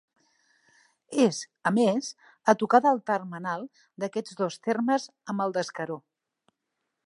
És, a més, a tocar del termenal d'aquests dos termes amb el d'Escaró.